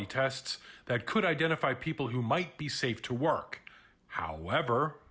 yang bisa menentukan orang orang yang mungkin aman untuk bekerja